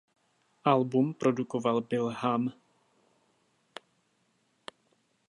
Album produkoval Bill Ham.